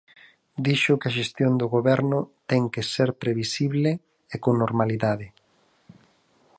Dixo que a xestión do Goberno ten que ser previsible e con normalidade.